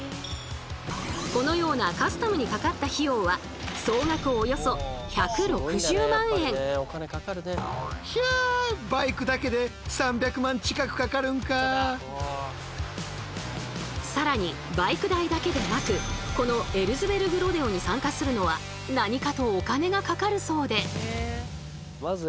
このようなカスタムにかかった費用は総額さらにバイク代だけでなくこのエルズベルグロデオに参加するのは何かとお金がかかるそうで。